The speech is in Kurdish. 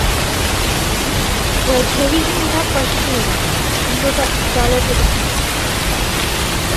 Wekhevî jî mîna faşîzmê ye, hûn doza edaletê bikin.